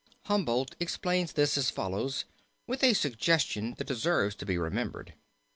Humboldt explains this as follows, with a suggestion that deserves to be remembered.